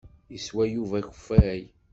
Yeswa Yuba akeffay.